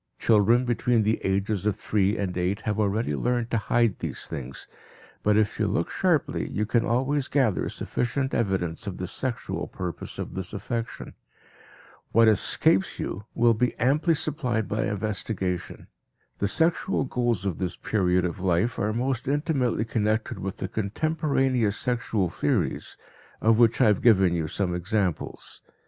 Children between the ages of three and eight have already learned to hide these things, but if you look sharply you can always gather sufficient evidence of the "sexual" purpose of this affection. What escapes you will be amply supplied by investigation. The sexual goals of this period of life are most intimately connected with the contemporaneous sexual theories, of which I have given you some examples.